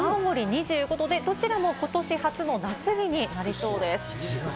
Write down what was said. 札幌２６度、青森２５度でこちらも今年初の夏日になりそうです。